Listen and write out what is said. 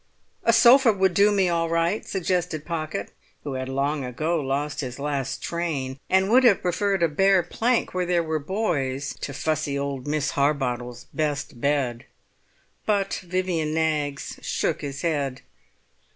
"A sofa would do me all right," suggested Pocket, who had long ago lost his last train, and would have preferred a bare plank where there were boys to fussy old Miss Harbottle's best bed. But Vivian Knaggs shook his head.